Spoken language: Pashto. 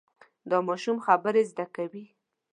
دا ماشوم خبرې زده کوي.